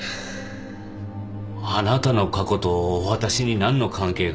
あなたの過去と私に何の関係が？